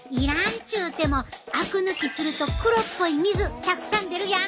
っちゅうてもあく抜きすると黒っぽい水たくさん出るやん。